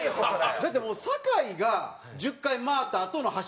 だってもう酒井が１０回回ったあとの走りやん。